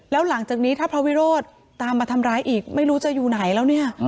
แล้วหลังจากนี้ถ้าพระวิโรธตามมาทำร้ายอีกไม่รู้จะอยู่ไหนแล้วเนี่ย